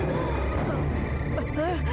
jangan berdiri juma